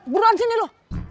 buruan sini lu